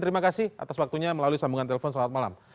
terima kasih atas waktunya melalui sambungan telepon selamat malam